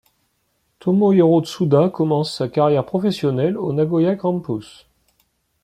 Tomohiro Tsuda commence sa carrière professionnelle au Nagoya Grampus.